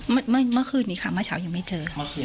เมื่อคืนนี้ค่ะเมื่อเช้ายังไม่เจอค่ะ